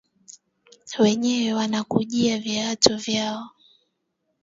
Wenyewe wanakujia vitu vyao